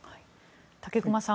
武隈さん